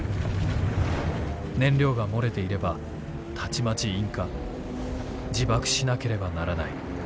燃料が漏れていればたちまち引火自爆しなければならない。